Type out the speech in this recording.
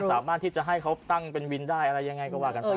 สามารถที่จะให้เขาตั้งเป็นวินได้อะไรยังไงก็ว่ากันไป